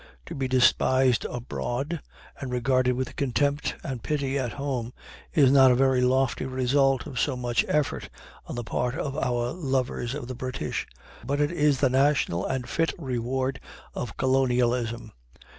To be despised abroad, and regarded with contempt and pity at home, is not a very lofty result of so much effort on the part of our lovers of the British. But it is the natural and fit reward of colonialism.